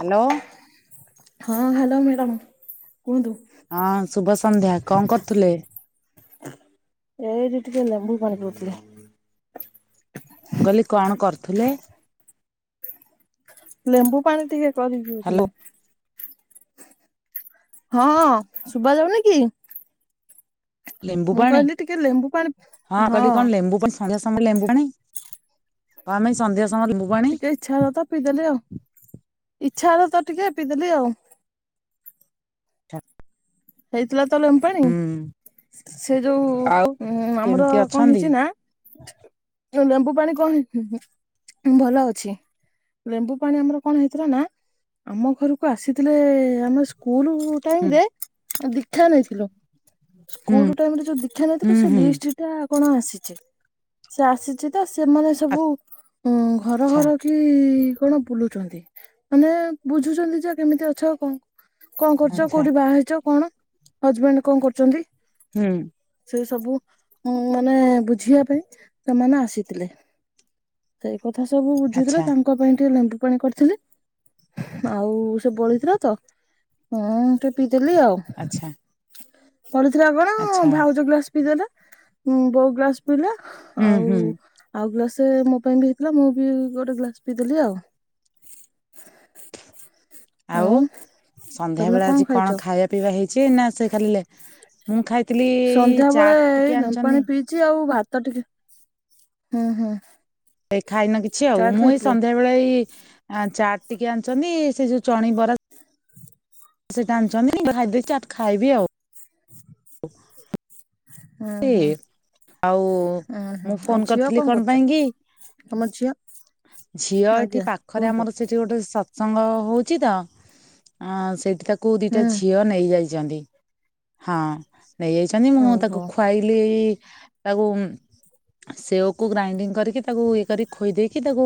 Hello. ହଁ hello madam କୁହନ୍ତୁ। ହଁ ଶୁଭ ସନ୍ଧ୍ୟା କଣ କରୁଥିଲେ? ଏଇଠି ଟିକେ ଲେମ୍ବୁ ପାଣି ପିଉଥିଲି। ଗଲି କଣ କରୁଥିଲେ? ଲେମ୍ବୁ ପାଣି ଟିକେ ପାଦ ପିଉ ହ୍ୟାଲୋ ଥିଲେ। ହଁ ଶୁଭା ଯାଉନି କି? ଲେମ୍ବୁ ମୁଁ ପାଣି କହିଲି ଟିକେ ଲେମ୍ବୁ ପାଣି ହଁ କିଲି କଣ ଲେମ୍ବୁ ପ ସନ୍ଧ୍ୟା ସମୟରେ ଲେମ୍ବୁ ପାଣି। ଆ ଆମେ ସନ୍ଦେଶ ଟିକେ ଇଚ୍ଛା ହବ ତ ପିଇଦେଲି ଆଉ। ଛା ର ତ ଟିକେ ପିଇଦେଲି ଆଉ। ହେଇଥିଲା ମ୍ୱୁ ପାଣି ହୁଁ ସେ ଯୋଉ ଆଉ ଆମର କେମିତି କଣ ଅଛନ୍ତି? ହେଇଛି ନା ଲେମ୍ବୁ ପାଣି କଣ ଭଲ ଅଛି ଲେମ୍ବୁ ପାଣି ଆମର କଣ ହେଇଥିଲା ନା ଆମ ଘରକୁ ଆସିଥିଲେ ଆମ ଉଲ ହୁଁ ଟାଇମରେ ଦୀକ୍ଷା ନେଇଥିଲୁ। ହୁଁ ସ୍କୁଲ ଟାଇମ ରେ ଯୋଉ ଦୀକ୍ଷା ନେଇ ଥିଲୁ ହୁଁ ସେ ହୁଁ ଲିଷ୍ଟଟା କଣ ଆସିଛି ସେ ଆସିଛି ତ ସେମାନେ ସବୁ ହଁ ଘର ଆଚ୍ଛା ଘର କି କଣ ବୁଲୁଛନ୍ତି ମାନେ ବୁଝୁଛନ୍ତି ଯେ କେମିତି ଅଛ ଆଉ କଣ କଣ କରୁଛ ଆଚ୍ଛା କୋଉଠି ବାହା ହେଇଛ? କଣ ହଜବେଣ୍ଡ କଣ କରୁଛନ୍ତି? ହୁଁ ସେ ସବୁ ଉ ମାନେ ବୁଝିବା ପାଇଁ ସେମାନେ ଆସିଥିଲେ ସେ କଥା ସବୁ ବୁଝୁଥିଲା ଆଚ୍ଛା ତାଙ୍କ ପାଇଁଠି ଲେମ୍ୱୁ ପାଣି କରିଥିଲି ଆଉ ସେ ବଳିଥିଲା ତ ଆ ଟିକେ ପିଇଦେଲି ଆଉ। ଆଚ୍ଛା। ପଢୁଥିଲା କଣ ଆଚ୍ଛା ଭାଉଜ ଗ୍ଲାସ ପି ଦେଲେ। ହୁଁ ବୋଉ ଗ୍ଲାସ ପିଲା ହୁଁ ଆଉ ହୁଁ ଆଉ ଗ୍ଲାସ ସେ ମୋ ପାଇଁ ବି ଦେଇଥିଲା ମୁଁ ବି ଗୋଟେ ଗ୍ଲାସ ପିଇଦେଲି ଆଉ। ଆଉ ସନ୍ଧ୍ୟା ତମେ ବେଳେ ଆଜି ଖାଇଛ? କଣ ଖାଇବା ପିଇବା ହେଇ ଚି ନା ସେ ଖାଲିଲେ ମୁଁ ଖାଇ ସନ୍ଧ୍ୟା ବେଳେ ଏଇ ଲେମ୍ବୁ ପାଣି ପିଇଛି ଆଉ ଭା ତ ଟିକେ ହୁଁ ହୁଁ। ଖାଇନ କିଛି ଆଉ ଚାଟ ମୁଁ ଏଇ ଖାଇଥିଲେ ସନ୍ଧ୍ୟା ବେଳେ ଏଇ ଆ ଚାଟ ଟିକେ ଆଣିଛନ୍ତି ସେ ଯୋଉ ଚଣିବରା ସେଟା ଆଣିଛନ୍ତି ଚାଟ୍ ଖାଇବି ଆଉ। [inaudible] ହୁଁ ଏ ହୁଁ ଆଉ ହୁଁ ହୁଁ ମୁଁ ଆଉ ଫୋନ ଝିଅ କରିଥିଲି କଣ କରୁଛ ପାଇଁ କି ତମ ଝିଅ ଝିଅ ଏଠି ଆଜ୍ଞା ପାଖରେ କୁହନ୍ତୁ ଆମର ସେଠି ଗୋଟେ ଶ ସଙ୍ଗ ହଉଛି ତ ସେଇଠି ତ କଉ ଦିଟା ହୁଁ ଝିଅ ନେଇଯାଇ ଜନ୍ତି ହଁ। ନେଇଯାଇଛନ୍ତି ମୁଁ ତାକୁ ଓହୋ ଇ ତାକୁ ଉଁ ସେଓକୁ ଗ୍ରାଇଣ୍ଡିଙ୍ଗ କରିକି ତାକୁ ଇଏ କରିକି ଖୋଇଦେଇକି ତାକୁ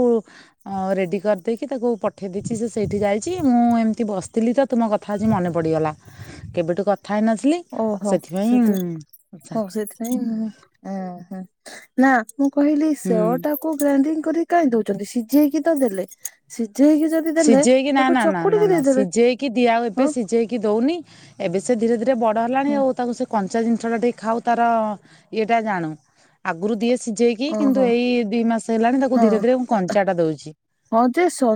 ଅ ରେଡି କରିଦେଇକି ତାକୁ ପଠେଇଦେଇଛି, ସିଏ ସେଇଠି ଯାଇଛି ମୁଁ ଏମିତି ବସିଥିଲି ତ ତୁମ କଥା ଆଜି ମନେ ପଡ଼ିଗଲା, କେବେଠୁ କଥ ଥାଇ ନଥିଲି ସେଥିପାଇଁ ଆଛା ହଁ ସେଥିପାଇଁ ହଁ। ଓ ହ ନା। ମୁଁ କହିଲି ହୁଁ ସେଓ ଟାକୁ ଗ୍ରାଇଣ୍ଡିଙ୍ଗ କାହିଁ ଦଉଛନ୍ତି ସିଝେଇକି ତ ଦେଲେ ସିଝ ସିଝେଇକି ନା ନା ନା ନା ନା ଦେଇଦେବେ ସିଝେଇକି ଦିଆ ଆଉ ଏବେ ହଁ ସିଝେଇକି ଦଉନି ଏବେ ସେ ଧୀରେ ଧୀ ବଡ଼ ହେଲାଣି ହଁ ଆଉ ତାକୁ ସେ କ କଞ୍ଚା ଜିନିଷ ଟା ଟିକେ ଖାଉ ତାର ଇଏଟା ଜାଣୁ ଆଗରୁ ଦିଏ ସିଝେଇକି ଓହୋ କିନ୍ତୁ ଏଇ ଦି ମାସ ହେଲାଣି ତାକୁ ହଁ ଧୀରେ ଧୀରେ ମୁଁ କଞ୍ଚାଟା ଦଉଛି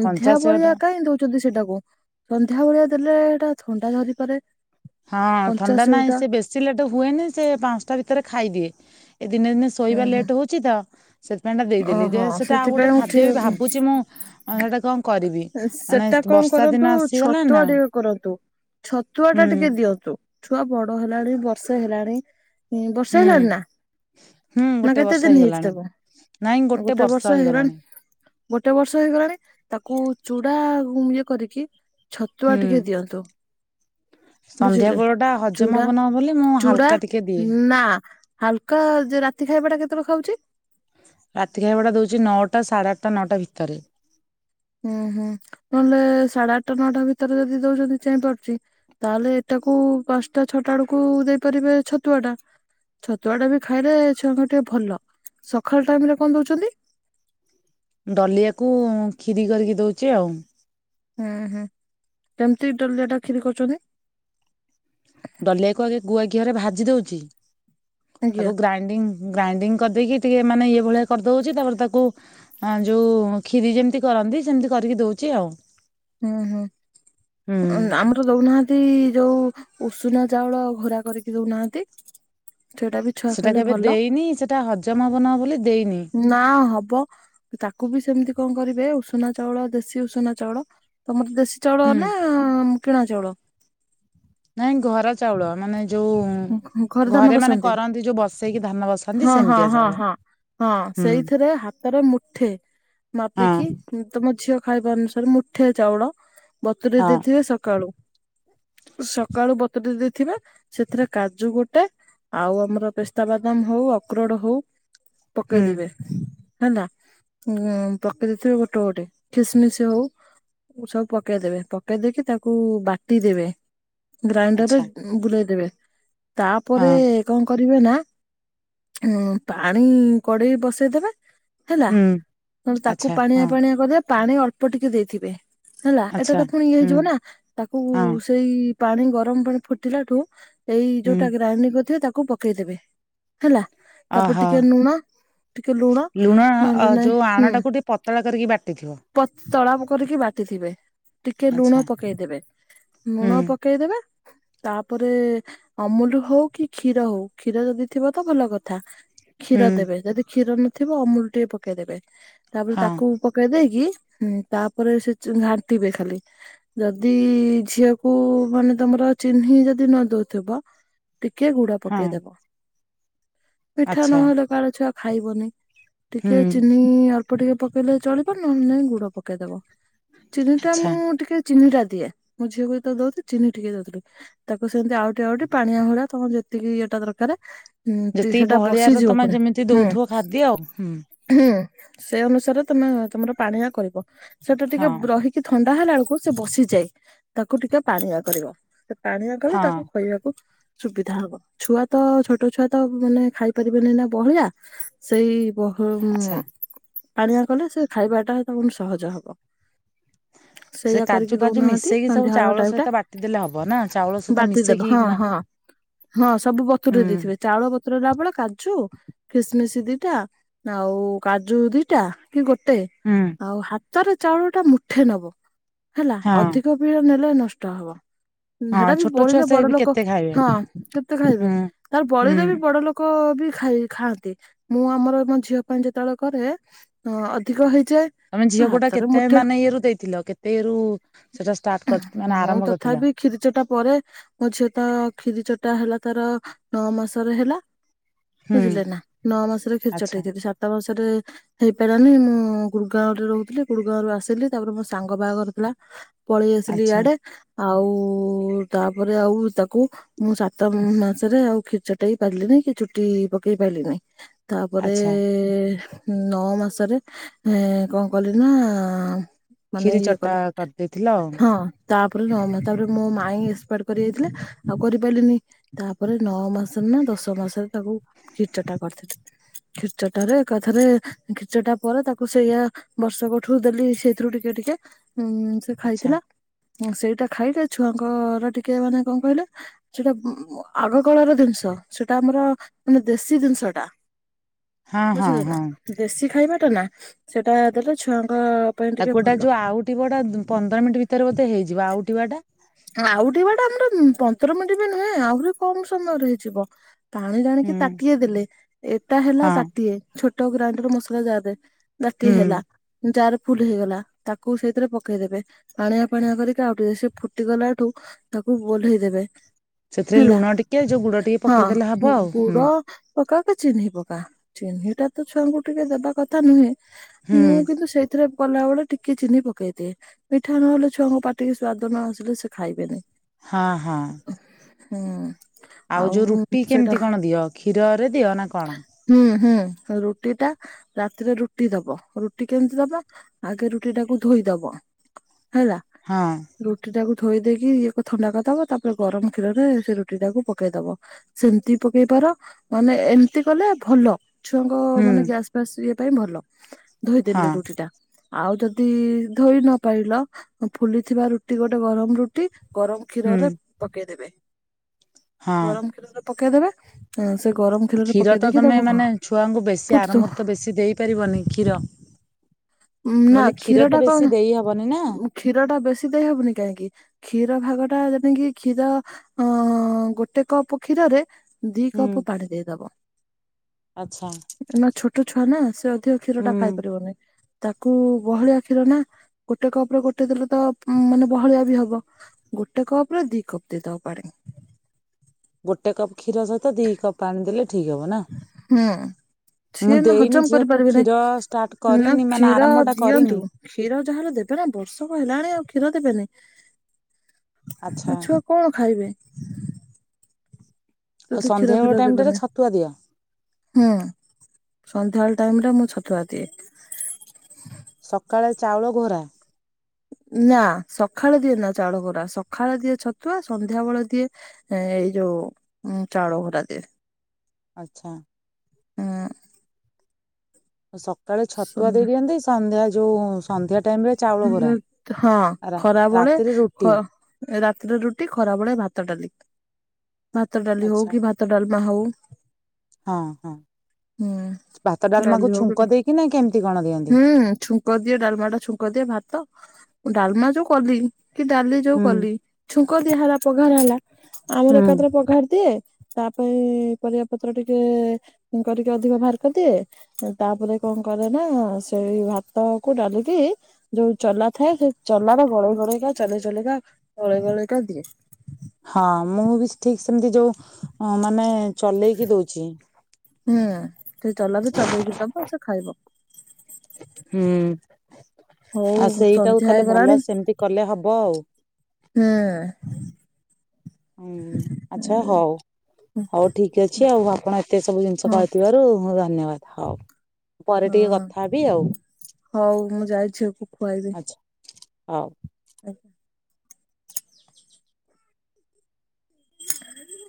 କଞ୍ଚ ଭଳିଆ କାହିଁ ଦଉଛନ୍ତି ସେଇଟାକୁ ସନ୍ଧ୍ୟା ଭଳିଆ ଦେଲେ ଥଣ୍ଡା ଧରି ପାରେ। ହଁ ଥଣ୍ଡା ନାହିଁ ସେ ବେଶୀ ଲେଟ ହୁଏନି ସେ ପାଞ୍ଚଟା ଭି ତରେ ଖାଇଦିଏ। ଏ ଦିନେ ଦିନେ ହୁଁ ଶୋଇବା ହୁଁ ଲେଟ୍ ହଉଛି ତ ସେଥିପାଇଁ ଟା ଦେଇଦେଲି ଓହୋ ସେଇଟା ଆଉ ସେଥିପାଇଁ ଗୋଟେ ମୁଁ ଠିକ ଖାଦ୍ୟ ବି ଭାବୁଛି ମୁଁ ସେଇଟା କଣ କରି ସେଟା କଣ କରନ୍ତୁ ଛତୁଆ ନା ଟିକେ କରନ୍ତୁ ଛତୁଆ ହୁଁ ଟା ଟିକେ ଦିଅନ୍ତୁ। ଛୁଆ ବଡ ହେଲାଣି ବର୍ଷେ ହେଲାଣି। ବର୍ଷେ ହୁଁ ହେଲାଣି ନା ହୁଁ ନା ଗୋଟେ କେତେ ବର୍ଷ ଦିନ୍ ହେଇଛି ହେଇଗଲାଣି ତାକୁ ଗୋଟେ ବର୍ଷ ହେଇଗଲାଣି ଗୋଟେ ବର୍ଷ ହେଇଗଲାଣି ତାକୁ ତାକୁ ହୁ ଇଏ କରିକି ଛତୁଆ ହୁଁ। ଟିକେ ଦିଅନ୍ତୁ। ସନ୍ଧ୍ୟା ବୁଝିଲେ ବେଳ ଟା ହଜମ ଚୁଡା ହବ ନହବ ବୋଲି ମୁଁ ଚୁଡା ହାଲକା ଟିକେ ଦିଏ ନା ହାଲକା ଯେ ରାତି ଖାଇବା ଟା କେ କେତେବେଳେ ଖାଉଛି? ରାତି ଖାଇବାଟା ଦଉଛି ନଅଟା ସାଢ଼େ ଆଠଟା ନଅଟା ଭିତରେ। ଉଁ ହୁଁ ନହେଲେ ସାଢେ ଆଠଟା ନଅଟା ଭିତରେ ଯଦି ଦଉଛନ୍ତି ଚେଇଁ ପାରୁଛି ତାହେଲେ ତାକୁ ପାଞ୍ଚଟା ଛଅଟା ବେଳକୁ ଦେଇପାରିବେ ଛତୁଆଟା, ଛତୁଆଟା ବି ଖାଇଲେ ଛୁଆଙ୍କ ଟିକେ ଭଲ ସଖାଳ ଟାଇମରେ କଣ ଦଉଛନ୍ତି? ଡଲିଆକୁ ଖିରି କରିକି ଦଉଛି ଆଉ। ହୁଁ ହୁଁ କେମିତି ଡଲିଆ ଟା ଖିରି କରୁଛନ୍ତି? ଡଲିଆକୁ ଆଗେ ଗୁଆ ଘିହରେ ଭାଜି ଦୋଉଚି। ଆଜ୍ଞା ତାକୁ ଗ୍ରାଇଣ୍ଡିଙ୍ଗ ଗ୍ରାଇଣ୍ଡିଙ୍ଗ କରିଦେଇକି ଟିକେ ମାନେ ଇଏ ଭଳିଆ କରିଦଉଛି ତାପରେ ତାକୁ ଯୋଉ ଖିରି ଯେମତି କରନ୍ତି ସେମତି କରିକି ଦଉଛି ଆଉ। ହୁଁ ହୁଁ ହୁଁ ଆମର ଦଉନାହାନ୍ତି ଯୋଉ ଉଷୁନା ଚାଉଳ ଘୋରା କରିକି ଦଉନାହାନ୍ତି? ସେଟା ବି ଛୁଆ ସେଟା ଖାଇଲେ କେବେ ଭଲ ଦେଇନି ସେଟା ହଜମ ହବ ନା ବୋଲି ଦେଇନି ନା ହବ ତାକୁ ବି ସେମିତି କଣ କରିବେ ଉଷୁନା ଚାଉଳ ଦେଶୀ ଉଷୁନା ଚାଉଳ ତମର ଦେଶ୍ ସି ଚାଉଳ ହୁଁ ନା କିଣା ଚାଉଳ? ନାଇଁ ଘର ଚାଉଳ ମାନେ ଯୋଉ ଘରେ ଧାନ ମାନେ ବସନ୍ତି କରନ୍ତି ଯୋଉ ବସେଇକି ଧାନ ବସାନ୍ତି ହଁ ହଁ ସେମିତିଆ ହଁ ଚାଉଳ ହଁ ହଁ ହୁଁ ସେଇଥିରେ ହାତରେ ମୁଠେ ହଁ ମାପିକି ତମ ଝିଅ ଖାଇବା ଅନୁସାରେ ମୁଠେ ଚାଉଳ ବତୁୁରେଇ ହଁ ଦେଇଥିବେ ସକାଳୁ। ସକାଳୁ ବତୁରେଇ ଦେଇଥିବେ ସେଥିରେ କାଜୁ ଗୋଟେ ଆଉ ଆମର ପେସ୍ତା ବାଦାମ ହୋଉ ଅକ୍ରରୋଡ ହୋଉ ହୁଁ ପକେଇଦେବେ। ହେଲା ଉ ପକେଇ ଦେଇଥିବେ ଗୋଟେ ଗୋଟେ ଖିସମିସ ହୋଉ ସବୁ ପକେଇ ଦେବେ ପକେଇ ଦେଇକି ତାକୁ ବାଟି ଦେବେ। ଗ୍ରାଇଣ୍ଡରରେ ଆଚ୍ଛା ବୁଲେଇଦବେ ତାପରେ ହଁ କଣ କରିବେ ନା ପାଣି କଡେଇ ବସେଇଦବେ। ହେଲା ହୁଁ ତ ତାକୁ ଆଚ୍ଛା ପାଣିଆ ହଁ ପାଣିଆ କରିଦେ ପାଣି ଅଳ୍ପ ଟିକେ ଦେଇଥିବେ। ହେଲା ଏଇଟା ଆଚ୍ଛା ତ ପୁଣି ଇଏ ହୁଁ ହେଇଯିବ ନା ତାକୁ ହଁ ସେଇ ପାଣି ଗରମ ପାଣି ଫୁଟିଲାଠୁ ଏଇ ହୁଁ ଯୋଉଟା ଗ୍ରାଇଣ୍ଡିଙ୍ଗ କରିଥିବେ ତାକୁ କୁ ପକେଇଦେବେ ହେଲା ତାପରେ ଓହୋ ଟିକେ ଲୁଣ ଟିକେ ଲୁଣ ଅ, ନହେଲେ ନାଇଁ ଯୋଉ ହୁଁ ଆଣଟାକୁ ଟିକେ ପତଳା କରିକି ବାଟିଥିବ ପତଳା କରିକି ବାଟିଥିବେ। ଟିକେ ଲୁଣ ଆଚ୍ଛା ପକେଇଦେବେ ଲୁଣ ହୁଁ ପକେଇଦବେ ତାପରେ ଅମୁଲ ହଉ କି କ୍ଷୀର ହଉ କ୍ଷୀର ଯଦି ଥିବ ତ ଭଲ କଥା। କ୍ଷୀର ହୁଁ ଦେବେ ଯଦି କ୍ଷୀର ନଥି ଥିବ ଅମୁଲ ଟିକେ ପକେଇଦେବେ। ତାପରେ ହଁ ତାକୁ ପକେଇ ଦେଇକି ତାପରେ ସେ ଘାଣ୍ଟିବେ ଖାଲି ଯଦି ଝିଅକୁ ମାନେ ତମର ଚିହ୍ନି ଯଦି ନ ଦଉ ଥିବ। ଟିକେ ଗୁଡ ହଁ ପକେଇଦବ। ମିଠା ଆଚ୍ଛା ନହେଲେ କାହାର ଛୁଆ ଖାଇବନି। ହୁଁ ଟିକେ ଚିନି ଅଳ୍ପ ଅଳ୍ପ ଟିକେ ପକେଇଲେ ଚଳିବ ନହେଲେ ନାଇଁ ଗୁଡ଼ ପକେଇଦବ। ଚିନି ଟା ଆଚ୍ଛା ମୁଁ ଟିକେ ଚିନି ଟା ିଆ ମୁଁ ଝିଅକୁ ଦଉି ଚିନି ଟିକେ ଦଉଥିଲି ତାକୁ ସେମିତି ଆଉ ପାଣିଆ ଭଳିଆ ତମେ ଟିକେ ଇଏଟା ଦରକାର ଉଁ ଯେତିକି ସେଟା ବହଳିଆ ର ବସିଯିବ ତମେ ପୁଣି ଯେମିତି ହୁଁ ଦଉଥିବ ଖାଦ୍ୟ ଆଉ ହୁଁ। ହୁଁ ସେ ଅନୁସାରେ ତମେ ତମର ପାଣିଆ କରିବ। ସେଟା ଟିକେ ହଁ ରହିକି ଥଣ୍ଡା ହେଲା ବେଳକୁ ସେ ବସିଯାଏ ତାକୁ ଟିକେ ପାଣିଆ କରିବ। ପାାଣିଆ କଲେ ହଁ ତାକୁ ତାକୁ ସୁବିଧା ହବ ଛୁଆ ତ ଛୋଟ ଛୁଆ ତ ମାନେ ଖାଇ ପାରିବେନି ନା ବହଳିଆ ସେଇ ବହମ୍ ଆଚ୍ଛା ପାଣିଆ କଲେ ସେ ଖାଇବାଟା ତ ସହଜ ହବ। ସେ ସେଇଆ କରିକି କାଜୁ ଫାଜୁ ଦଉନାହାନ୍ତି ମିଶେଇକି ସବୁ ସନ୍ଧ୍ୟାବେଳ ଚାଉଳ ସହିତ ବାଟିଦେଲେ ହବ ନା ଚାଉଳ ସହିତ ମିଶ ହ ହଁ ସବୁ ବତରୁ ହୁଁ ଦେଇଥିବେ ଚାଉଳ ବତରୁ ବେଳେ କାଜୁ, ଖିସମିସ ସେ ଦିଟା ଆଉ କାଜୁ ଦିଟା କି ଗୋ ଗୋଟେ ହୁଁ ଆଉ ହାତ ତାର ଚାଉଳ ଟା ମୁଠେ ନବୁ। ହେଲା ହଁ ଅଧିକ ଉପରେ ଭଲେ ନଷ୍ଟ ହବ। ହଁ ହେଟା ବି ଛୋଟ ଛୁଆ ବଳିଲେ ସେ ବଡ ବି ଲୋକ କେତେ ଖାଇବେ ହଁ କେତେ ଖାଇବେ ହୁଁ ତାର ହୁଁ ବଳିରେ ବି ବଡ ଲୋକ ଲୋକ ବି ଖାଇ ଖାଆନ୍ତି ମୁଁ ଆମର ମୋ ଝିଅ ପାଇଁ ଯେତେବେଳେ କରେ ଅଧିକ ହେଇ ତମେ ଝିଅ କୋଟା କେତେ ମାନେ ଇଏ ର ଦେଇଥିଲ କେତେ ଇଏ ରୁ ସେଟା ଷ୍ଟାର୍ଟ ମାନେ ମୁଁ ଆରମ୍ଭ କରିଥିଲ? ତଥାପି କ୍ଷୀରି ଚଟା ପରେ ମୋ ଝିଅ ତ କ୍ଷିରି ଚଟା ହେଲା ତାର ନଅ ମାସରେ ହେଲା ହୁଁ ବୁଝିଲେ ନା ନଅ ମାସର ଖିରି ଆଚ୍ଛା ଚଟେଇ ଦେଲି ସାତ ମାସ ରେ ହେଇପାରିଲାନି ମୁଁ ଗୁଡ୍ଗାଓଁ ରେ ରହୁଥିଲି ଗୁଡ୍ଗାଓଁ ରୁ ଆସିଲି ତାପରେ ମୋ ସାଙ୍ଗ ବାହାଘର ଥିଲା। ପଳେଇ ଆସିଲି ଆଚ୍ଛା ଇଆଡେ ଆଉ-ଉ-ଉ-ଉ ତାପରେ ଆଉ ତାକୁ ମୁଁ ସାତ ମ-ମ ମାସରେ ଆଉ କ୍ଷୀଚଟେଇ ପାରିଲି ନା କି ଚୁଟି ପକେଇ ପାରଲି ନାହି। ଆଚ୍ଛା ତାପରେ-ଏ-ଏ-ଏ ନଅ ମାସରେ ଆ-ଆ-ଆ କଣ କଲି ନା-ଆ-ଆ ଖିରି ଚଟା କରିଦେଇଥିଲ। ତାପରେ ନ ମା, ତାପରେ ମୋ ମାାଇ ଏସ ପାଟ୍ କରି ଯାଇଥିଲେ ଆଉ କରିପାରିଲିନି। ତାପରେ ନଅ ମାସରେ ନା ଦଶ ମାସରେ ତାକୁ ଖିରିଚଟା କରିଥିଲି। ଖିରିଚଟାରେ ଏକାଥରେ ଖିରିଚଟା ପରେ ତାକୁ ସେଇଆ ବର୍ଷକ ଠୁ ଦେଲି ସେଇଥିରୁ ଟିକେ ଟିକେ ହୁଁ ସେ ଆଚ୍ଛା ଖାଇଥିଲା ହଁ ସେଇଟା ଖାଇଲେ ଛୁଆ-ଆ-ଆ ଙ୍କର ଟିକେ କିଏ ମାନେ କଣ କହିଲ ଯଉଟା ଉ-ଉ ଆଗ କାଳର ଜିନିଷ ସେଟା ଆମର ମାନେ ଦେଶୀ ଜିନିଷଟା। ହଁ ହଁ ବୁଝିଲୁ ନା ହଁ ଦେଶୀ ଖାଇବା ନା ସେଟା ଦେଲେ ଛୁଆଙ୍କୁ ତାକୁ ଗୋଟା ଯଉ ଆଉଠି ବଢ଼ାନ୍ତି ପନ୍ଦର ମିନିଟ୍ ଭିତରେ ବୋଧେ ହେଇଯିବ ଆଉ ପଟିି ବା ଟା ଆଉଟିବା ଟା ଆମର ପନ୍ଦର ମିନିଟ ବି ନୁହେଁ ଆହୁରି କମ ସମୟରେ ହେଇଯିବ। ପାଣି ଟାଣିକି ହୁଁ ତାଟିଏ ଦେଲେ ଏଟା ହେଲା ହଁ। ତାଟିଏ ଛୋ ଗ୍ରାଇଣ୍ଡର ମସଲା ଜାଦ ବାଡାକ ହୁଁ ହେଲା ଯାର ଫୁଲ ହେଇଗଲା ତାକୁ ସେଇଥିରେ ପକେଇଦେବେ ପାଣିଆ ପାାଣିଆ କରିକି ଆଉ ଟିକେ ସେ ଫୁ ଏଟି ଗଲା ଠୁ ତାକୁ ଓହ୍ଲେଇ ଦେବେ। ସେଥିରେ ହେଲା ଲୁଣ ଟିକେ ଯୋଉ ଗୁଡ ଟିକେ ପକେଇଦେଲେ ହବ ଆଉ ହୁଁ। ପକାକ ଚିହ୍ନି ପକା ଚିହ୍ନି ଟା ତ ଛୁଆଙ୍କୁ ଟିକେ ଦେବା କଥା ନୁହେଁ। ମୁଁ କିନ୍ତୁ ସେଇଥିରେ କଲାବେଳେ ଟିକେ ଚିନି ପକେଇଦିଏ ମିଠା ନହେଲେ ଛୁଆଙ୍କ ପାଟିକେ ସ୍ଵାଦ ନଆସେ ସେ ଖାଇବେନି। ହଁ ହଁ ହୁଁ। ଆଉ ଯୋଉ ରୁଟି କେମିତି କଣ ଦିଅ କ୍ଷୀରରେ ଦିଅ ନା କଣ? ହୁଁ ହୁଁ ରୁଟି ଟା ରାତିରେ ରୁଟି ଦବ ରୁଟି କେମିତି ଦବ ଆଗେ ରୁଟି ଟାକୁ ଧୋଇଦବ ହେଲା ହଁ। ରୁ ତାକୁ ଧୋଇ ଦେଇେଇକି ଇଏ ଥଣ୍ଡା କରିଦବ ତାପରେ ଗରମ କ୍ଷୀରରେ ସେ ରୁଟି ଟାକୁ ପକେଇ ଦବ ସେମିତି ପକେଇ ପାର ମାନେ ଏମିତି କଲେ ଭଲ। ଛୁଆଙ୍କ ହୁଁ। ମାନେ ଗ୍ୟାସ ଫାସ ଇଏ ପାଇଁ ଭଲ। ଧୋଇଦେଲେ ହଁ। ରୁଟି ଟା ଆଉ ଯଦି ଧୋଇ ନପାଇଲ ଫୁଲିଥିବା ରୁଟି। ରୁଟି ଗୋଟେ ଗରମ ରୁଟି ଗରମ କ୍ଷୀର ହୁଁ ରେ ପକେଇଦେବେ। ହଁ ଗରମ କ୍ଷୀରରେ ପକେଇଦେବେ ହଁ। କ୍ଷୀର ତ ତମେ ମାନେ ଛୁଆଙ୍କୁ ବେଶୀ ଫୁଟ ଆରମୂର୍ତ ବେଶୀ ଦେଇପାରିବନି କ୍ଷୀର ମୁ ନା କହିଲି କ୍ଷୀର ଟା ତ କଣ ବେଶୀ ଦେଇହବନି ନା। କ୍ଷୀର ଟା ବେଶୀ ଦେଇ ହବନି କାହିଁକି କ୍ଷୀର ଭାଗ ଟା ଯେଣ କିି କ୍ଷୀର ଅ ଗୋଟେ କପ୍ କ୍ଷୀରରେ ଦି ହୁଁ। କପ ପାଢ ଦେଇଦବ। ଆଚ୍ଛା ଛୋଟ ଛୁଆ ନା। ସ କ୍ଷୀର ଟା ହୁଁ ଖାଇ ପାରିବନି। ତାକୁ ବହଳିଆ କ୍ଷୀର ନା ଗୋଟେ କପରେ ଗୋଟେ ଦିନ ତ ମାନେ ବହଳିଆ ବି ହବ ଗୋଟେ କପ ର ଦି କପ୍ ଦେଇଦବ ପାଣି। ଗୋଟେ କପ୍ କ୍ଷୀର ସହିତ ଦି କପ୍ ପାଣି ଦେଲେ। ଠିକ ହବ ନା? ହୁଁ ମୁଁ ସିଏ ନା ଦେଇନି ହଜମ ଝିଅକୁ କରିପାରିବେ ନାହି କ୍ଷୀର ଷ୍ଟାର୍ଟ ନା କରିନି ମାନେ କ୍ଷୀର ଆରମ୍ଭ ଟା କରିନି ଦିଅନ୍ତୁ କ୍ଷୀର ଯାହାେଲେ ଦେବେ ନା ବର୍ଷକ ହେଲାଣି ଆଉ କ୍ଷୀର ଦେବେନି। ଆଚ୍ଛା ଆଉ ଛୁଆ କଣ ଖାଇବେ। ଆଉ ଯଦି କ୍ଷୀର ସନ୍ଧ୍ୟାବେଳ ଫିର ଟାଇମ ଟାରେ ଦେବେନି ଛତୁଆ ଦିଅ ହୁଁ ସନ୍ଧ୍ୟାଳ ଟାଇମ ଟା ମୁ ଛତୁଆ ଦିଏ। ସକାଳେ ଚାଉଳ ଘୋରା। ନା ସକାଳେ ଦିଏ ନା ଚାଉଳ ଘୋରା ସକାଳେ ଦିଏ ଛତୁଆ ସନ୍ଧ୍ୟା ବେଳେ ଦିଏ ଏଇ ଯୋଉ ଚାଉଳ ଘୋରା ଦିଏ। ଆଚ୍ଛା। ସକାଳୁ ଛତୁଆ ଉଁ ଦେଇଦିଅନ୍ତି ସନ୍ଧ୍ୟା ଯୋଉ ସନ୍ଧ୍ୟା ଟାଇମ ରେ ଚାଉଳ ବରା, ହଁ ରାତିରେ ରୁଟି। ର ରୁଟି ଖରାବେଳେ ଭାତ ଡାଲି। ଭାତ ଡାଲି ହଉ ଆଚ୍ଛା କି ଭାତ ଡାଲମା। ମା ହଉ। ହଁ ହଁ ହୁଁ ଭାତ ଡାଲି ଡାଲମାକୁ, ହଉ କି ଛୁଙ୍କ ଦେଇକି ନା କେମିତି କଣ ଦିଅନ୍ତି? ହୁଁ ଛୁଙ୍କ ଦିଏ ଡାଲମା ଟା ଛୁଙ୍କ ଦିଏ, ଭାତ ଡାଲମା ଯୋଉ କଲି କି ଡାଲି ଯୋଉ ହୁଁ କଲି ଛୁ ଙ୍କ ଦିଆ ହେଲା ପଘାର ହେଲା। ଆମର ହୁଁ ଏକାଥରେ ପଘାରି ଦିଏ। ତା ପାଇଁ ପରିବା ପତ୍ର ଟିକେ କରିକି ଅଧିକ ଭାର୍ କରିଦିଏ ଦିଏ ତାପରେ କଣ କରେ ନା ସେଇ ଭାତ ଭାତ କ ଡାଲିକି ଯୋଉ ଚଲା ଥାଏ ସେଇ ଚଲା ଟା ଗଳେଇ ଗଳେଇକା ଚଲେଇ ଚଲେଇକା ଗଳେଇ ଗଳେଇକା ଦିଏ। ହଁ ମୁଁ ବି ଠିକ ସେମିତି ଯୋଉ ମାନେ ଚଲେଇକି ଦଉଛି। ହଁ। ସେ ଚଲା ତ ଚଲେଇକି ଦବା ସେ ଖାଇବ। ହୁଁ। ହଉ ଆଉ ସେଇଟାକୁ ସନ୍ଧ୍ୟା ତାହେଲେ ହେଇଗଲାଣି ଭଲ ସେମିତି କଲେ ହବ ଆଉ। ହୁଁ। ହୁଁ ଆଚ୍ଛା ହଁ ହଉ, ହଉ ଠିକ ଅଛି ଆଉ ଆପଣ ଏତେ ସବୁ ଜିନିଷ ହଁ ପାଇଥିବାରୁଁ ଧ ଧନ୍ୟବାଦ ହଉ। ପରେ ଟିକେ ହଁ କଥା ହେବି ଆଉ ହଉ ମୁଁ ଯାଉଛି ଝିଅକୁ ଖୁଆଇବି। ଆଚ୍ଛା ହଉ। ହ [inaudible]